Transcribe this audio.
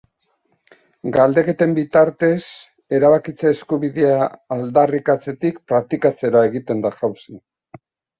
Galdeketen bitartez, erabakitze eskubidea aldarrikatzetik praktikatzera egiten da jauzi.